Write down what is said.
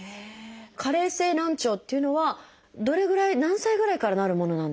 加齢性難聴っていうのはどれぐらい何歳ぐらいからなるものなんですか？